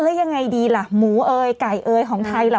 แล้วยังไงดีล่ะหมูเอยไก่เอยของไทยล่ะ